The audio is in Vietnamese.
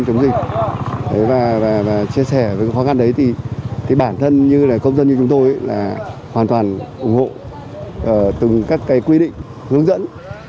chia sẻ với khó khăn đấy thì bản thân như là công dân như chúng tôi là hoàn toàn ủng hộ từng các cái quy định hướng dẫn